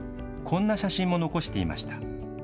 こんな写真も残していました。